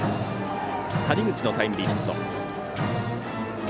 谷口のタイムリーヒット。